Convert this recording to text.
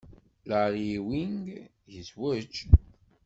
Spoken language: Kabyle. Larry Ewing yezwej.